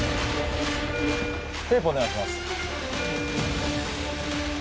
テープお願いします